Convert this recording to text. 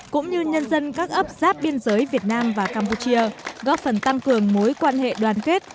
cũng như nhân dân các ấp giáp biên giới việt nam và campuchia góp phần tăng cường mối quan hệ đoàn kết